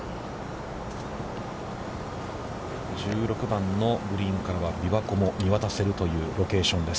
１６番のグリーンからは琵琶湖も見渡せるというロケーションです。